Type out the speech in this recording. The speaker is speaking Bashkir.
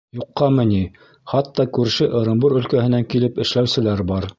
Юҡҡамы ни, хатта күрше Ырымбур өлкәһенән килеп эшләүселәр бар.